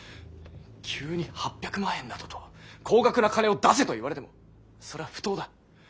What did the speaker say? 急に８００万円などと高額な金を出せといわれてもそれは不当だ。